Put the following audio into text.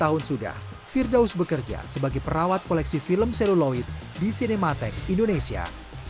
dua puluh tahun sudah firdaus bekerja sebagai perawat koleksi film seluloid di cinematek indonesia